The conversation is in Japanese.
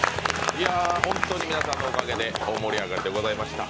いや、本当に皆さんのおかげで大盛り上がりでした。